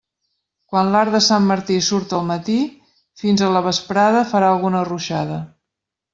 Quan l'arc de Sant Martí surt el matí, fins a la vesprada farà alguna ruixada.